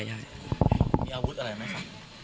มีอาวุธอะไรไหมครับ